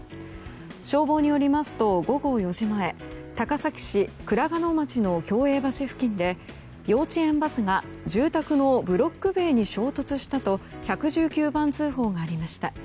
消防によりますと午後４時前高崎市倉賀野町の共栄橋付近で幼稚園バスが住宅のブロック塀に衝突したと１１９番通報がありました。